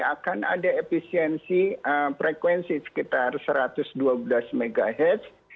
akan ada efisiensi frekuensi sekitar satu ratus dua belas mhz